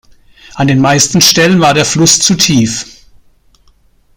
An den meisten Stellen war der Fluss zu tief.